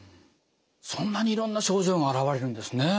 そんなにいろんな症状が現れるんですね。